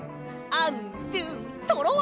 アンドゥトロワ！